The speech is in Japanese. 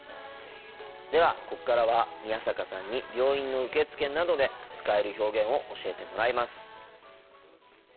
ではここからは宮坂さんに病院の受付などで使える表現を教えてもらいます。